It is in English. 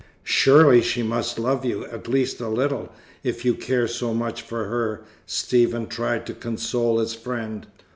"Surely she must love you, at least a little, if you care so much for her," Stephen tried to console his friend.